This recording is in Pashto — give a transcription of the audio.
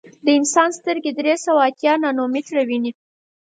د انسان سترګې درې سوه اتیا نانومیټره ویني.